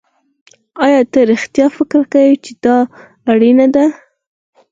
ایا ته رښتیا فکر کوې چې دا اړینه ده